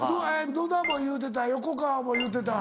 野田も言うてた横川も言うてた。